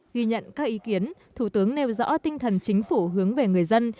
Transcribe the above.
ghi nhận các ý kiến thủ tướng nêu rõ tinh thần chính phủ hướng về người dân